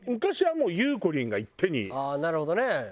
ああなるほどね。